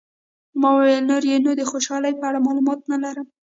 ما وویل، نور یې نو د خوشحالۍ په اړه معلومات نه لرم.